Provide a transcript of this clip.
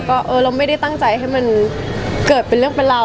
ก็เออเราไม่ได้ตั้งใจให้มันเกิดเป็นเรื่องเป็นราว